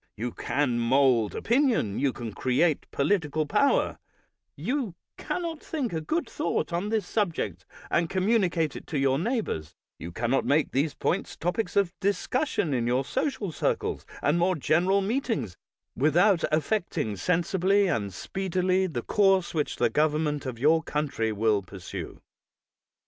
You can mold opinion, you can create political power; you can not think a good thought on this subject IV— 16 241 THE WORLD'S FAMOUS ORATIONS and communicate it to your neighbors, — ^you can not make these points topics of discussion in your social circles and more general meetings, without affecting sensibly and speedily the course which the government of your country will pursue.